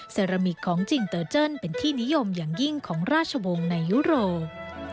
เซรามิกของจิงเตอร์เจิ้นเป็นที่นิยมอย่างยิ่งของราชวงศ์ในยุโรป